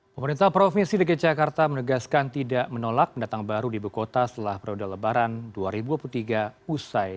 pemerintah provinsi dki jakarta menegaskan tidak menolak pendatang baru di ibu kota setelah periode lebaran dua ribu dua puluh tiga usai